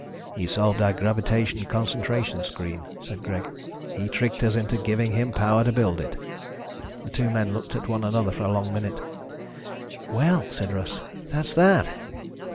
"He solved our gravitation concentration screen," said Greg. "He tricked us into giving him power to build it." The two men looked at one another for a long minute. "Well," said Russ, "that's that.